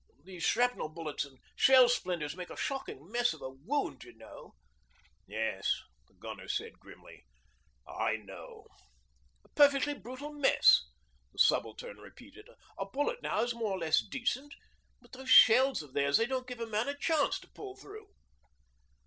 These shrapnel bullets and shell splinters make a shocking mess of a wound, y'know.' 'Yes,' said the gunner grimly, 'I know.' 'A perfectly brutal mess,' the subaltern repeated. 'A bullet now is more or less decent, but those shells of theirs, they don't give a man a chance to pull through.'